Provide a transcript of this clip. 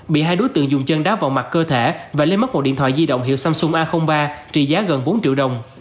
bị hai đối tượng dùng chân đá vào mặt cơ thể và lấy mất một điện thoại di động hiệu samsung a ba trị giá gần bốn triệu đồng